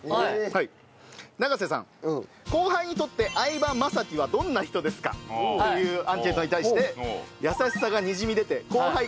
永瀬さん後輩にとって相葉雅紀はどんな人ですか？というアンケートに対して。